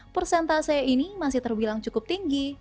persentase ini masih terbilang cukup tinggi